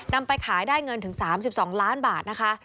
ไปขายได้เงินถึง๓๒ล้านบาทนะคะ